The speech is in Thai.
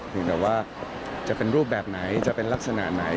เพียงแต่ว่าจะเป็นรูปแบบไหนจะเป็นลักษณะไหน